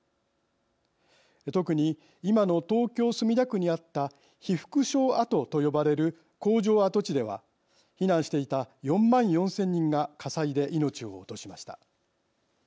特に、今の東京・墨田区にあった被服廠跡と呼ばれる工場跡地では、避難していた４万４０００人が火災で命を落としました。